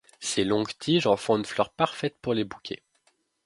Ses longues tiges en font une fleur parfaite pour les bouquets.